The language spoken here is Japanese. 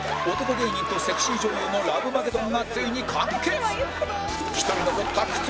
芸人とセクシー女優のラブマゲドンがついに完結！